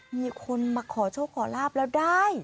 มีคนมาขอโชคขอลาบแล้วได้